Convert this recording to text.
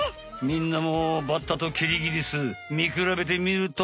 みんなもバッタとキリギリス見くらべてみるとよかっぺよ。